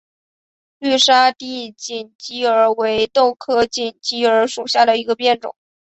绿沙地锦鸡儿为豆科锦鸡儿属下的一个变种。